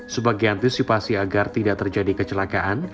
sebagai antisipasi agar tidak terjadi kecelakaan